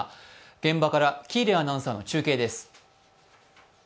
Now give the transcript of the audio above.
現場から喜入アナウンサーの中継です。